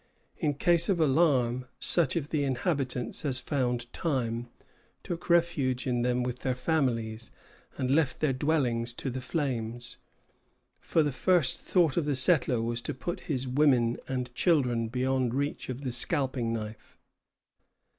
In case of alarm such of the inhabitants as found time took refuge in them with their families, and left their dwellings to the flames; for the first thought of the settler was to put his women and children beyond reach of the scalping knife.